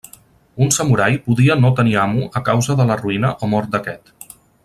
Un samurai podia no tenir amo a causa de la ruïna o mort d'aquest.